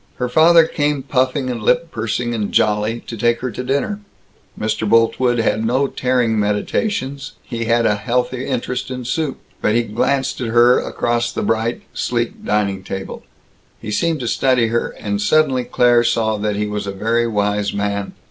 Her father came puffing and lip pursing and jolly, to take her to dinner. Mr. Boltwood had no tearing meditations; he had a healthy interest in soup. But he glanced at her, across the bright, sleek dining table; he seemed to study her; and suddenly Claire saw that he was a very wise man.